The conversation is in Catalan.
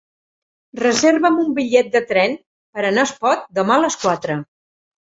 Reserva'm un bitllet de tren per anar a Espot demà a les quatre.